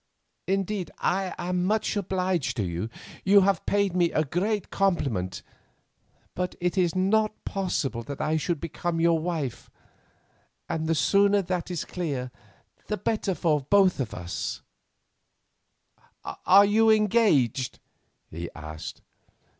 "Indeed, I am much obliged to you. You have paid me a great compliment, but it is not possible that I should become your wife, and the sooner that is clear the better for us both." "Are you engaged?" he asked.